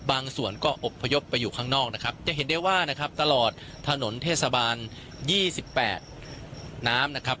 บางส่วนก็อบพยพไปอยู่ข้างนอกนะครับจะเห็นได้ว่านะครับตลอดถนนเทศบาล๒๘น้ำนะครับ